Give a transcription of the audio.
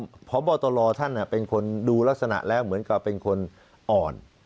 ของพระบอตรอเป็นคนดูลักษณะแล้วเหมือนเป็นคนอ่อน